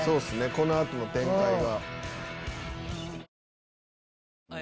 この後の展開は。